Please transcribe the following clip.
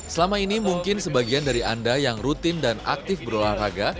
selama ini mungkin sebagian dari anda yang rutin dan aktif berolahraga